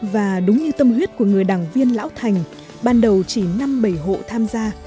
và đúng như tâm huyết của người đảng viên lão thành ban đầu chỉ năm bảy hộ tham gia